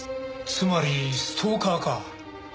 つまりストーカーか。